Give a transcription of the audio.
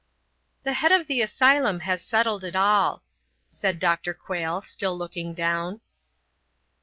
"The head of the asylum has settled it all," said Dr. Quayle, still looking down.